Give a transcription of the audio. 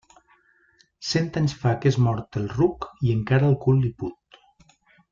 Cent anys fa que és mort el ruc i encara el cul li put.